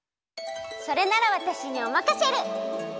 それならわたしにおまかシェル！